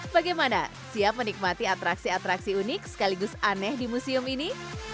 bagaimana siap menikmati atraksi atraksi unik sekaligus aneh di museum ini